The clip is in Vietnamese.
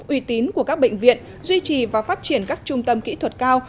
uy tín của các bệnh viện duy trì và phát triển các trung tâm kỹ thuật cao